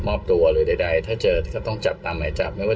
ตัวหรือใดถ้าเจอก็ต้องจับตามหมายจับไม่ว่า